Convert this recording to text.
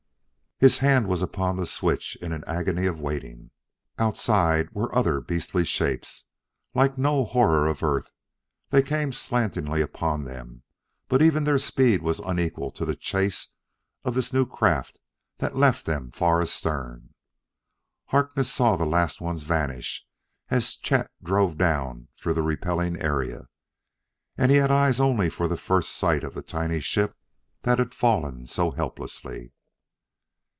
His hand was upon the switch in an agony of waiting. Outside were other beastly shapes, like no horror of earth, that came slantingly upon them, but even their speed was unequal to the chase of this new craft that left them far astern. Harkness saw the last ones vanish as Chet drove down through the repelling area. And he had eyes only for the first sight of the tiny ship that had fallen so helplessly.